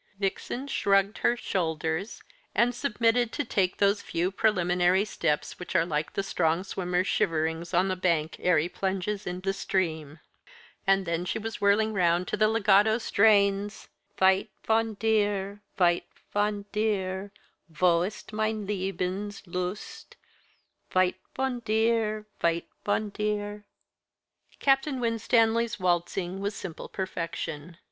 Vixen shrugged her shoulders, and submitted to take those few preliminary steps which are like the strong swimmer's shiverings on the bank ere he plunges in the stream. And then she was whirling round to the legato strains, "Weit von dir! Weit von dir! Wo ist mein Lebens Lust? Weit von dir Weit von dir!" Captain Winstanley's waltzing was simple perfection.